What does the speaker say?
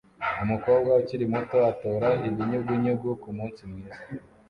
Umukobwa ukiri muto atora ibinyugunyugu kumunsi mwiza